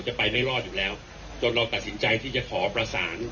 จะไปไม่รอดอยู่แล้วจนเราตัดสินใจที่จะขอประสาน